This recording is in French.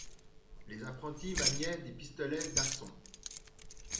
Les apprentis maniaient des pistolets d'arçon.